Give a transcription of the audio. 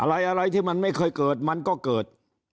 อะไรที่มันไม่เคยเกิดมันก็เกิด